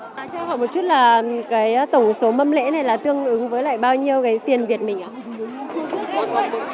bà cho hỏi một chút là tổng số mâm lễ này là tương ứng với bao nhiêu tiền việt mình ạ